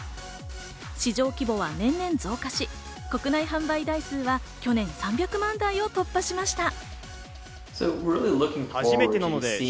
市場規模は年々増加し、国内販売台数は去年３００万台を突破しました。